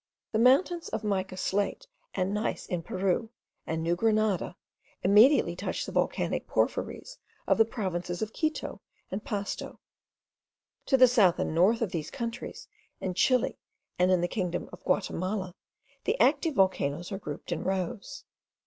The mountains of mica slate and gneiss in Peru and New Grenada immediately touch the volcanic porphyries of the provinces of Quito and Pasto. To the south and north of these countries, in Chile and in the kingdom of Guatimala, the active volcanoes are grouped in rows.